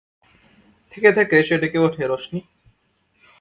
থেকে থেকে সে ডেকে ওঠে, রোশনি!